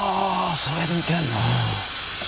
それで見てんの。